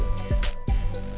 sejak dulu kambing selalu idup